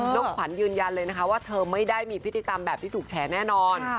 ขวัญยืนยันเลยนะคะว่าเธอไม่ได้มีพฤติกรรมแบบที่ถูกแฉแน่นอน